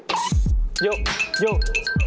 อ๋อเดี๋ยวก่อนนะ